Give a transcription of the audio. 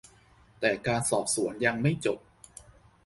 แต่การสอบสวนยังไม่จบ